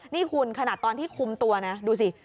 นี่คุณขนาดตอนที่คุมตัวนะดูสิ